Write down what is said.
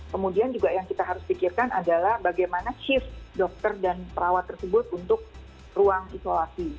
kemudian juga yang kita harus pikirkan adalah bagaimana shift dokter dan perawat tersebut untuk ruang isolasi